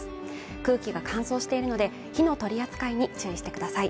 空気が乾燥しているので火の取り扱いに注意してください